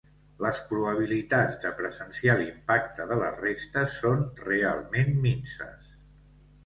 Les probabilitats de presenciar l’impacte de les restes són realment minses.